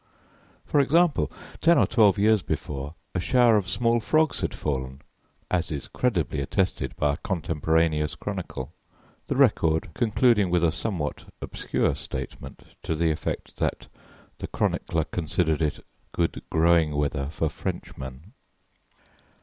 For example, ten or twelve years before, a shower of small frogs had fallen, as is credibly attested by a contemporaneous chronicle, the record concluding with a somewhat obscure statement to the effect that the chronicler considered it good growing weather for Frenchmen.